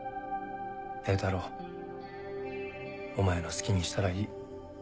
榮太郎お前の好きにしたらいい。